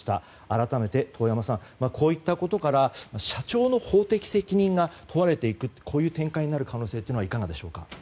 改めて、遠山さんこういったことから社長の法的責任が問われていく展開になるというのはいかがでしょうか。